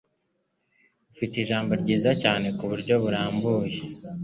Ufite ijisho ryiza cyane kuburyo burambuye.